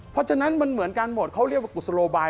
เพราะฉะนั้นมันเหมือนกันหมดเขาเรียกว่ากุศโลบาย